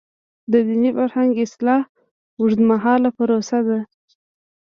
د دیني فرهنګ اصلاح اوږدمهاله پروسه ده.